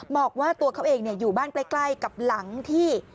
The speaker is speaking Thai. บอกว่าตัวเขาเองอยู่บ้านใกล้กับหลังที่